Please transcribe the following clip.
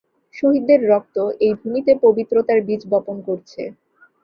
শহীদদের রক্ত এই ভূমিতে পবিত্রতার বীজ বপন করছে।